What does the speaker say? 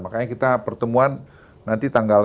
makanya kita pertemuan nanti tanggal